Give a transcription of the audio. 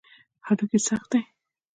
هډوکي سخت دي.